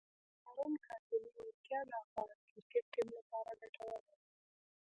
د هارون کاظمي وړتیا د افغان کرکټ ټیم لپاره ګټوره ده.